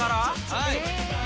はい。